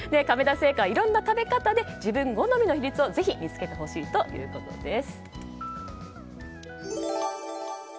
亀田製菓はいろんな食べ方で自分好みの比率をぜひ見つけてほしいということです。